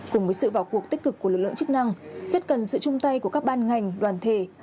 cùng với sự vào cuộc tích cực của lực lượng chức năng rất cần sự chung tay của các ban ngành đoàn thể